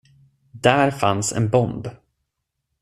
Där fanns en bomb.